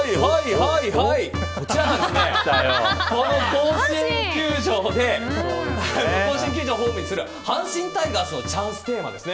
甲子園球場で甲子園球場をホームとする阪神タイガースのチャンステーマです。